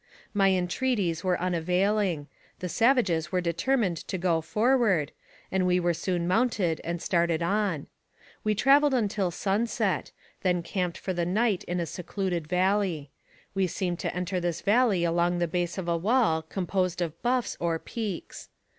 My entreaties were unavailing; the savages were determined to go forward, and we were soon mounted and started on. We traveled until sunset, then camped for the night in a secluded valley ; we seemed to enter this valley along the base of a wall, composed of bluffs or peaks.